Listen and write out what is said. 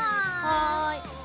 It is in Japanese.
はい。